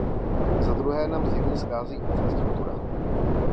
Zadruhé nám zjevně schází infrastruktura.